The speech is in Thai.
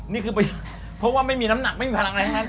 นี่คือไปเพราะว่าไม่มีน้ำหนักไม่มีพลังอะไรทั้งนั้น